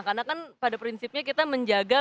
karena kan pada prinsipnya kita menjaga